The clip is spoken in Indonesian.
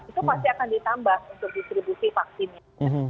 itu pasti akan ditambah untuk distribusi vaksinnya